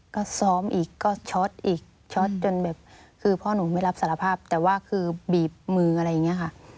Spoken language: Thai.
ก็ซ้อมอีกก็ช็อตอีกช็อตจนแบบคือพ่อหนูไม่รับสารภาพแต่ว่าคือบีบมืออะไรอย่างนี้ค่ะ